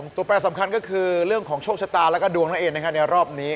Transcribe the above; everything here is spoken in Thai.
ตัวแปลสำคัญก็คือเรื่องของโชคชะตาและก็ดวงน้อยเอ่นในรอบนี้